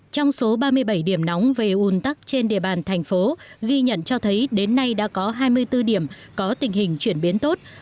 trong số ba mươi bảy điểm nóng về ùn tắc trên địa bàn thành phố ghi nhận cho thấy đến nay đã có hai mươi bốn điểm có tình hình chuyển biến tốt